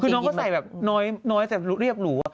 คือน้องก็ใส่แบบน้อยแต่เรียบหรู